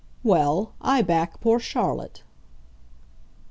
"Well, I back poor Charlotte."